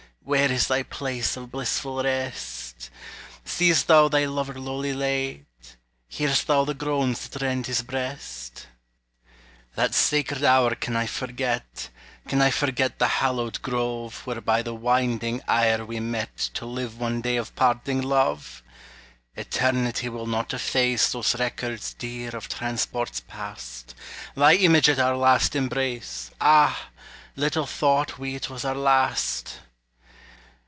Where is thy place of blissful rest? See'st thou thy lover lowly laid? Hear'st thou the groans that rend his breast? That sacred hour can I forget, Can I forget the hallowed grove, Where by the winding Ayr we met To live one day of parting love? Eternity will not efface Those records dear of transports past; Thy image at our last embrace; Ah! little thought we 't was our last!